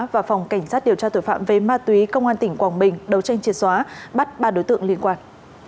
và phòng cảnh sát điều tra tội phạm về ma túy công an tỉnh quảng bình đấu tranh triệt xóa bắt ba đối tượng liên quan